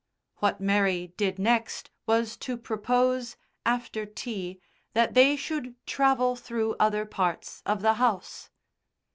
What Mary did next was to propose, after tea, that they should travel through other parts of the house.